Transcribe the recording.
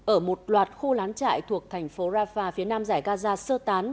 ở một loạt khu lán trại thuộc thành phố rafah phía nam giải gaza sơ tán